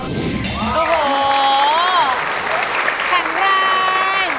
โอ้โฮ